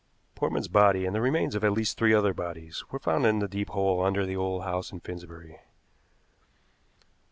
Portman's body and the remains of at least three other bodies were found in the deep hole under the old house in Finsbury.